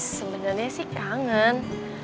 sebenernya sih kangen